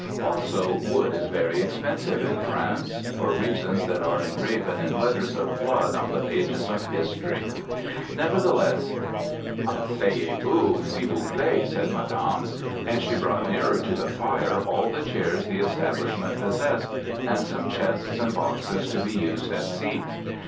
Also, wood is very expensive in France for reasons that are engraven in letters of blood on the pages of history. Nevertheless "Asseyez vous, s'il vous plait," said Madame. And she brought nearer to the fire all the chairs the establishment possessed and some chests and boxes to be used as seats.